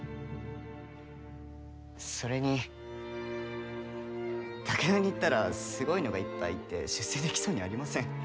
それに武田に行ったらすごいのがいっぱいいて出世できそうにありません。